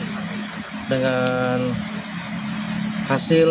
dan dievokasi ke pukismas